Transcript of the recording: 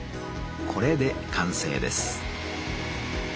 これで完成です。